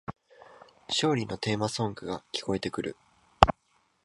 勝利のテーマソングが聞こえてくる